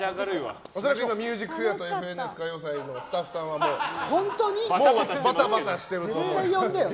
「ＭＵＳＩＣＦＡＩＲ」と「ＦＮＳ歌謡祭」のスタッフさんはバタバタしておりますよ。